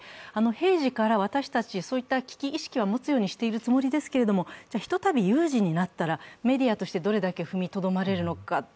平時から私たち、そういった危機意識は持つようにしているつもりですけれども、ひとたび有事になったらメディアとしてどこまで踏みとどまれるのか。